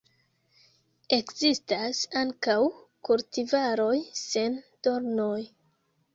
Ekzistas ankaŭ kultivaroj sen dornoj.